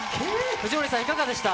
藤森さん、いかがでした？